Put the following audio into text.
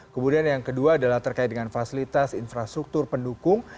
kemudian yang kedua adalah terkait dengan fasilitas infrastruktur pendukung